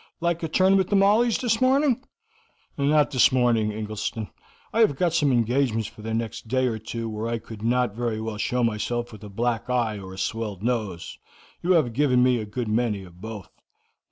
Like a turn with the mauleys this morning?" "Not this morning, Ingleston. I have got some engagements for the next day or two where I could not very well show myself with a black eye or a swelled nose; you have given me a good many of both."